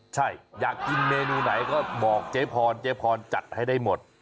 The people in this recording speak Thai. ใช่อยากกินเมนูไหนก็บอกเจ๊พรเจ๊พรจัดให้ได้หมด